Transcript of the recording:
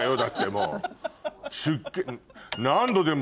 もう。